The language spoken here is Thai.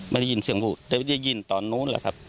ไม่ได้ยินเสียงพูดแต่ไม่ได้ยินตอนนู้นแหละครับ